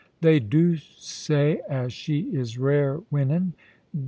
They do say as she is rare winnin'.